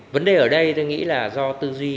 vấn đề ở đây tôi nghĩ là do tư duy